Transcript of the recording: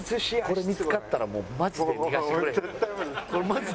これ見付かったらもうマジで逃がしてくれへんで。